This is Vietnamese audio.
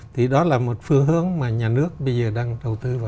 thì đó là một phương hướng mà nhà nước bây giờ đang đầu tư vào